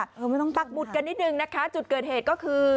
ปักบุตรกันนิดนึงนะคะจุดเกิดเหตุก็คือ